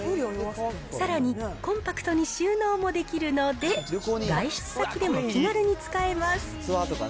さらにコンパクトに収納もできるので、外出先でも気軽に使えます。